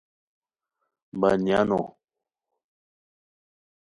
بنیانو